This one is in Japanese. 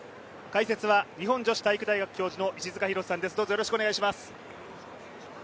解説は日本女子体育大学教授の石塚浩さんです。